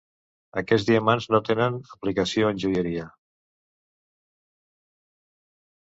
Aquests diamants no tenen aplicació en joieria.